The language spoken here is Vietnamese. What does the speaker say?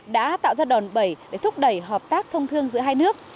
đã tạo ra đòn bẩy để thúc đẩy hợp tác thông thương giữa hai nước